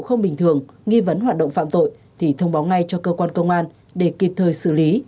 không bình thường nghi vấn hoạt động phạm tội thì thông báo ngay cho cơ quan công an để kịp thời xử lý